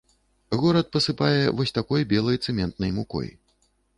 Горад пасыпае вось такой белай цэментнай мукой.